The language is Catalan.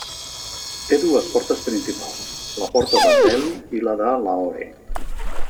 Té dues portes principals: la porta de Delhi i la de Lahore.